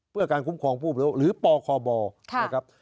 เพื่อการคุ้มครองผู้บริโภคหรือปคบนะครับ